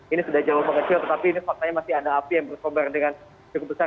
ini sudah jauh mengecil tetapi ini faktanya masih ada api yang berkobar dengan cukup besar